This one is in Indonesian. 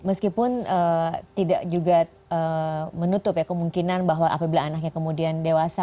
meskipun tidak juga menutup ya kemungkinan bahwa apabila anaknya kemudian dewasa